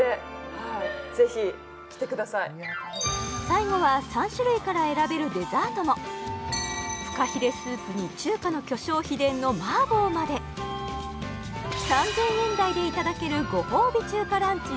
最後は３種類から選べるデザートもフカヒレスープに中華の巨匠秘伝の麻婆まで３０００円台でいただけるご褒美中華ランチ